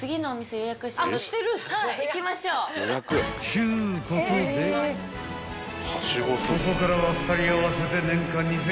［ちゅうことでここからは２人合わせて］